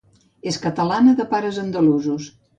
És catalana, de pares andalusos.